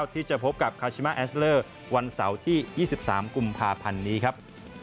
ที่จะพบกับคาชิมาแอสเลอร์วันเสาร์ที่๒๓กุมภาพันธ์นี้ครับ